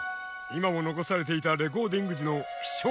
今も残されていたレコーディング時の貴重な音源。